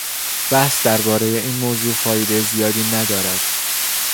بحث دربارهٔ این موضوع فایدهٔ زیادی ندارد.